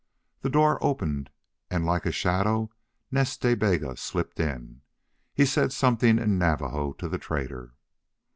The door opened and like a shadow Nas Ta Bega slipped in. He said something in Navajo to the trader.